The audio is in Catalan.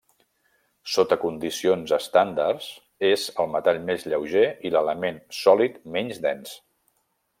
Sota condicions estàndards, és el metall més lleuger i l'element sòlid menys dens.